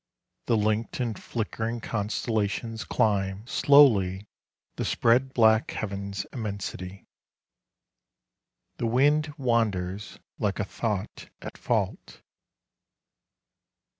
The linked and flickering constellations climb Slowly the spread black heaven's immensity. The wind wanders like a thought at fault.